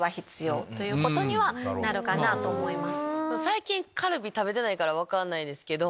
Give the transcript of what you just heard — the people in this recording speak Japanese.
最近カルビ食べてないから分かんないですけど。